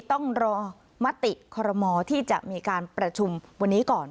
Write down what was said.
ต้องรอมติคอรมอที่จะมีการประชุมวันนี้ก่อน